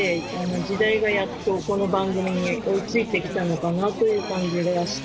時代がやっとこの番組に追い付いて来たのかなという感じがして。